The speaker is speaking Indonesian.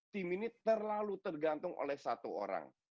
tim ini terlalu tergantung oleh satu orang